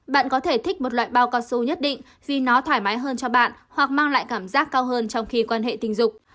bạn có thể thích một loại bao cao su nhất định vì nó thoải mái hơn cho bạn hoặc mang lại cảm giác cao hơn trong khi quan hệ tình dục